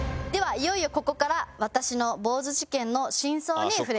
いよいよここから私の坊主事件の真相に触れていきましょう。